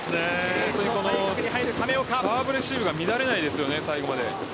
本当にこのサーブレシーブが乱れないですよね、最後まで。